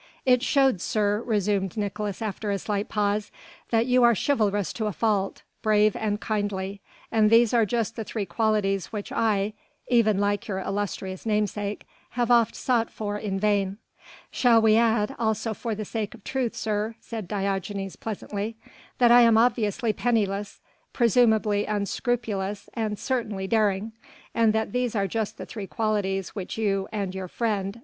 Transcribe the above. "It showed, sir," resumed Nicolaes after a slight pause, "that you are chivalrous to a fault, brave and kindly: and these are just the three qualities which I even like your illustrious namesake have oft sought for in vain." "Shall we add, also for the sake of truth, sir," said Diogenes pleasantly, "that I am obviously penniless, presumably unscrupulous and certainly daring, and that these are just the three qualities which you ... and your friend